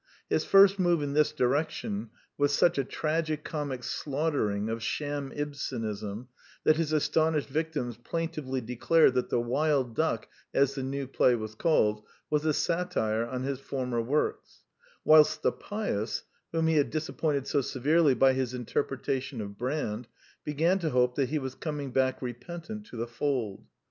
His first move in this direction was such a tragi comic slaughtering of sham Ibsenism that his astonished victims plaintively declared that The Wild Duck, as the new play was called, was a satire on his former works; whilst the pious, whom he had disappointed so severely by his interpretation of Brand, began to hope that he was coming back repentant to the fold.